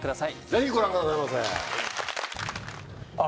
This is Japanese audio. ぜひご覧くださいませ。